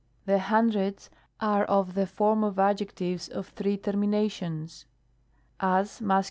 The hundreds are of the form of adjectives of three terminations ; as, Masc.